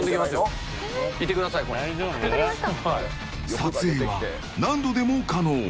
撮影は何度でも可能。